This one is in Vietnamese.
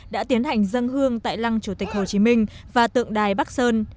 đã tiến hành dân hương tại lăng chủ tịch hồ chí minh và tượng đài bắc sơn